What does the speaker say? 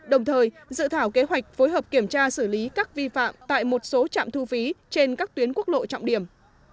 đồng thời dự thảo kế hoạch phối hợp kiểm tra xử lý các vi phạm tại một số trạm thu phí trên các tuyến quốc lộ trọng điểm